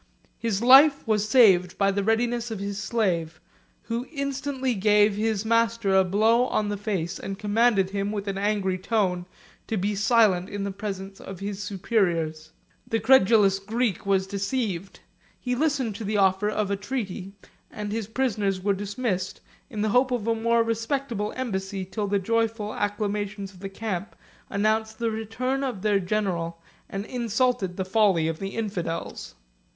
His life was saved by the readiness of his slave, who instantly gave his master a blow on the face, and commanded him, with an angry tone, to be silent in the presence of his superiors. The credulous Greek was deceived: he listened to the offer of a treaty, and his prisoners were dismissed in the hope of a more respectable embassy, till the joyful acclamations of the camp announced the return of their general, and insulted the folly of the infidels.